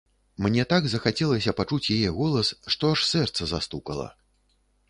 Мне так захацелася пачуць яе голас, што аж сэрца застукала.